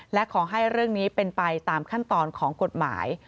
และขอให้เรื่องนี้เป็นไปตามขั้นตอนของกฎหมาย